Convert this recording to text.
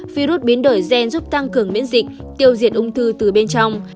virus biến đổi gen giúp tăng cường miễn dịch tiêu diệt ung thư từ bên trong